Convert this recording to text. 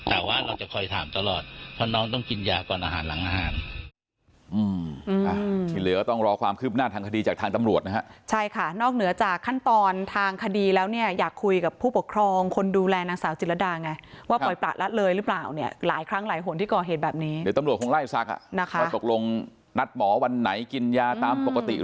แต่ว่าเราจะคอยถามตลอดเพราะน้องต้องกินยาก่อนอาหารหลังอาหาร